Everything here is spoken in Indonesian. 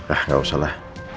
ah gak usahlah